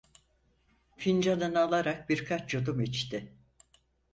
Fincanını alarak birkaç yudum içti.